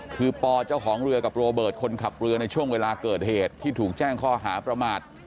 คือปเจ้าของเรือกับโรเบิร์ตคนขับเรือในช่วงเวลาเกิดเหตุที่ถูกแจ้งข้อหาประมาท